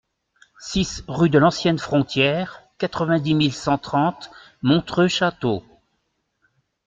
six rue de l'Ancienne Frontière, quatre-vingt-dix mille cent trente Montreux-Château